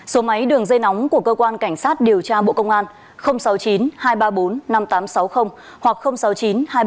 số máy đường dây nóng của cơ quan cảnh sát điều tra bộ công an sáu mươi chín hai trăm ba mươi bốn năm nghìn tám trăm sáu mươi hoặc sáu mươi chín hai trăm ba mươi hai một nghìn sáu trăm sáu mươi bảy